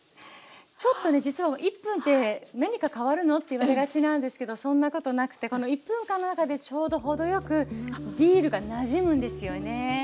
ちょっとね実は１分って何か変わるの？っていわれがちなんですけどそんなことなくてこの１分間の中でちょうど程よくディルがなじむんですよね。